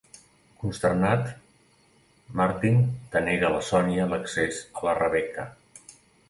Consternat, Martin denega a la Sònia l'accés a la Rebecca.